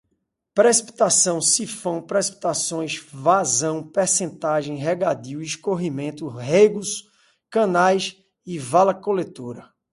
precipitação, sifão, precipitações, vazão, percentagem, regadio, escorrimento, regos, canais, vala coletora